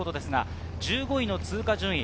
１５位の通過順位。